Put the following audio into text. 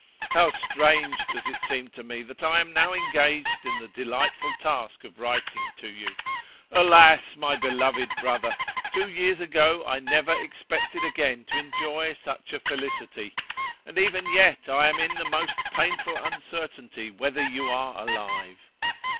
'How strange does it seem to me that I am now engaged in the delightful task of writing to you. Alas! my beloved brother, two years ago I never expected again to enjoy such a felicity, and even yet I am in the most painful uncertainty whether you are alive.